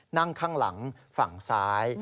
นั่งข้างหลังฝั่งซ้าย